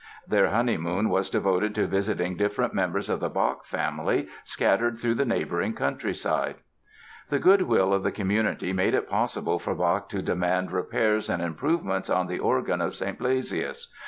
Their honeymoon was devoted to visiting different members of the Bach family scattered through the neighboring countryside. The good will of the community made it possible for Bach to demand repairs and improvements on the organ of St. Blasius.